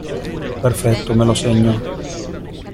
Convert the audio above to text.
Perfetto me lo segno.